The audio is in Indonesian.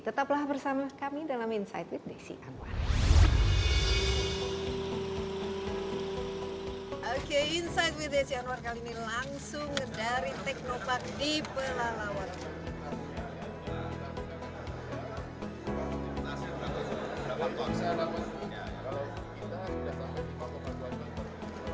tetaplah bersama kami dalam insight with desi anwar